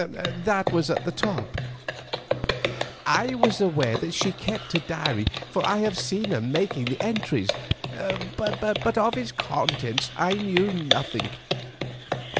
That was at the top. I was aware that she kept a diary, for I have seen her making the entries; but of its contents I knew nothing.